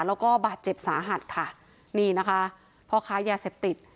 แล้วก็บาดเจ็บสาหัสค่ะนี่นะคะพ่อค้ายาเสพติด